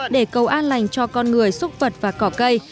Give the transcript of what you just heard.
để cầu an lành cho con người xúc vật và cỏ cây